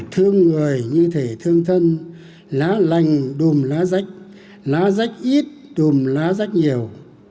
thương người như thể thương thân lá lành đùm lá rách lá rách ít đùm lá rách nhiều